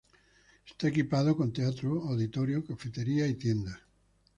Está equipado con teatro auditorio, cafetería y tienda.